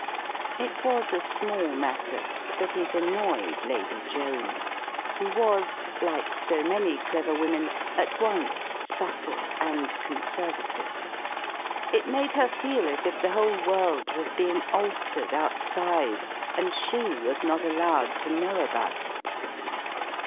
It was a small matter, but it an noyed Lady Joan, who was, like so many clever women, at once subtle and conservative. It made her fed as if the whole world was being altered outside, and she was not allowed to know about it.